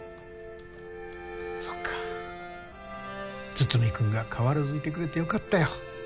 そっか筒見くんが変わらずいてくれて良かったよ。